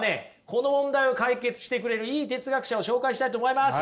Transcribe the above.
この問題を解決してくれるいい哲学者を紹介したいと思います。